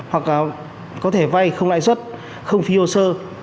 hoặc có thể vay không loại xuất không phi ưu sơ